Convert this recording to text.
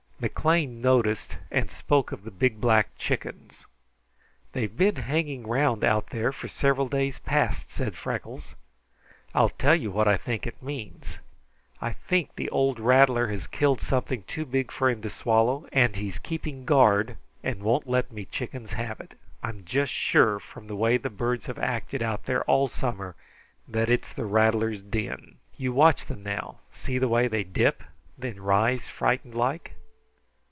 McLean noticed and spoke of the big black chickens. "They've been hanging round out there for several days past," said Freckles. "I'll tell you what I think it means. I think the old rattler has killed something too big for him to swallow, and he's keeping guard and won't let me chickens have it. I'm just sure, from the way the birds have acted out there all summer, that it is the rattler's den. You watch them now. See the way they dip and then rise, frightened like!"